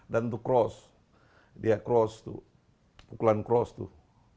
dan itu cross dia cross tuh pukulan cross tuh